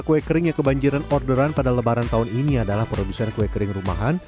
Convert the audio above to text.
kue kering yang kebanjiran orderan pada lebaran tahun ini adalah produsen kue kering rumahan